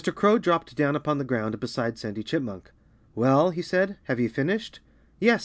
Crow dropped down upon the ground beside Sandy Chipmunk. "Well," he said, "have you finished?" "Yes!"